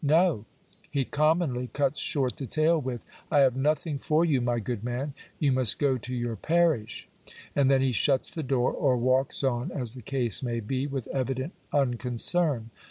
No ; he commonly outs short the tale with —" I have nothing for you, my good man ; yon must go to your parish." And then he shuts the door, or walks on, as the ease may he, with evident unconcern.